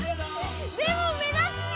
でも目立つね！